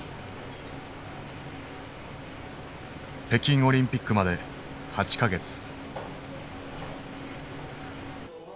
北京オリンピックまで８か月。